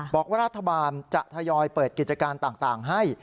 บอกว่ารัฐบาลจะทยอยเปิดกิจการต่างให้